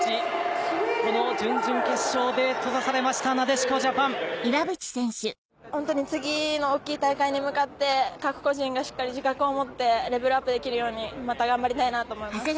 しかし今年行われたホントに次の大きい大会に向かって各個人がしっかり自覚を持ってレベルアップできるようにまた頑張りたいなと思います。